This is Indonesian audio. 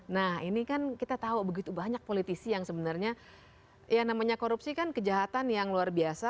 nah ini kan kita tahu begitu banyak politisi yang sebenarnya ya namanya korupsi kan kejahatan yang luar biasa